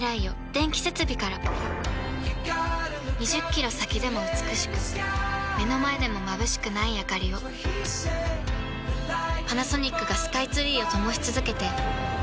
２０キロ先でも美しく目の前でもまぶしくないあかりをパナソニックがスカイツリーを灯し続けて今年で１０年